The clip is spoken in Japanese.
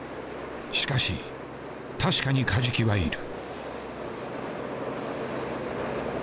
しかし確かにカジキはいる。